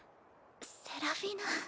セラフィナ。